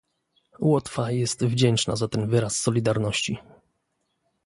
Łotwa jest wdzięczna za ten wyraz solidarności